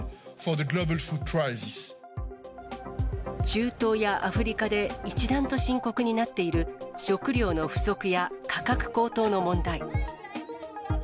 中東やアフリカで一段と深刻になっている、食糧の不足や価格高騰の問題。